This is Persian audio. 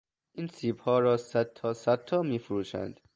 این سیبها را صدتا صدتا میفروشند.